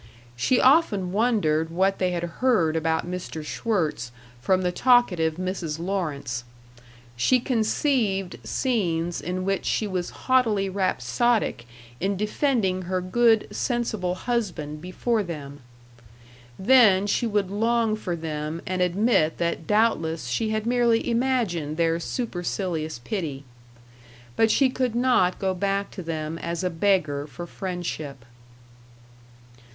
She often wondered what they had heard about Mr. Schwirtz from the talkative Mrs. Lawrence. She conceived scenes in which she was haughtily rhapsodic in defending her good, sensible husband before them. Then she would long for them and admit that doubtless she had merely imagined their supercilious pity. But she could not go back to them as a beggar for friendship.